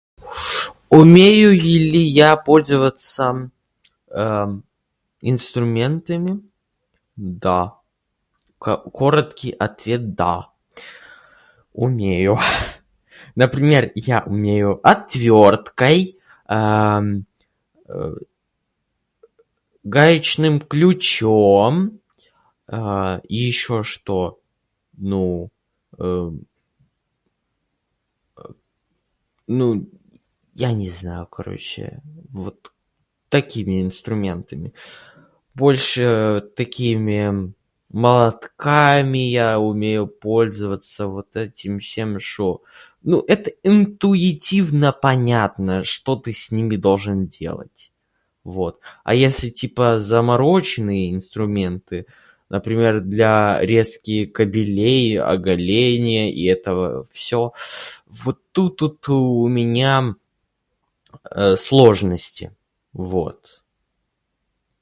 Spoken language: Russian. Ушш, умею ли я пользоваться, эм, инструментами ? Да. Ка- короткий ответ - да, умею. Например, я умею отвёрткой, а-а, ем, гаечным ключем, а-а, и еще что? Ну, ем, ем, ну, я не знаю, короче, вот. Такими инструментами. Больше такими м- молотками я умею пользоваться вот этим всем шо. Ну это интуитивно понятно, что ты с ними должен делать, вот. А если типо замороченые инструменты, например, для резки кабелей, оголения и этого всё вот тут вот у меня, э, сложности. Вот.